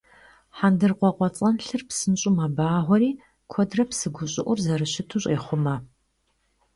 ХьэндыркъуакъуэцӀэнлъыр псынщӀэу мэбагъуэри куэдрэ псы гущӀыӀур зэрыщыту щӀехъумэ.